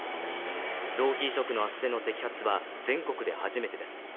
臓器移植のあっせんの摘発は全国で初めてです。